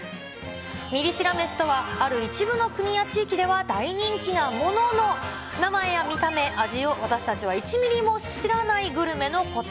ミリ知ら飯とは、ある一部の国や地域では大人気なものの、名前や見た目、味を、私たちは１ミリも知らないグルメのこと。